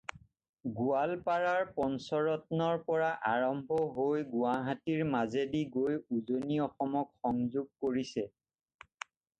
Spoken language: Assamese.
গোৱালপাৰাৰ পঞ্চৰত্নৰ পৰা আৰম্ভ হৈ গুৱাহাটীৰ মাজেদি গৈ উজনি অসমক সংযোগ কৰিছে।